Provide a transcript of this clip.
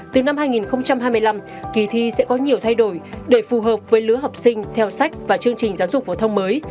từ năm hai nghìn hai mươi năm kỳ thi sẽ có nhiều thay đổi để phù hợp với lứa học sinh theo sách và chương trình giáo dục phổ thông mới